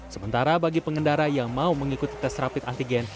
sementara bagi pengendara yang mau mengikuti tes rapid antigen